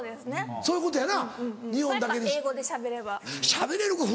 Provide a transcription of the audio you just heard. そういうことやな。